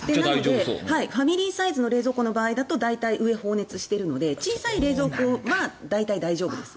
ファミリーサイズの冷蔵庫の場合だと大体、上、放熱しているので小さい電子レンジは大体、大丈夫です。